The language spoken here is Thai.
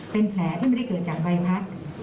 เป็นแผลที่ไม่ได้เกิดจากใบพัด